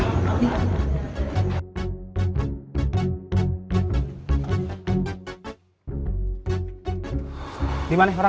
ibu bikin my skala